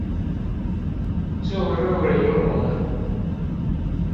注入靈魂